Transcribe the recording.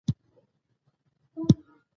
"عصمت بی چه از بی چادریست" ضرب المثل پر ځای دی.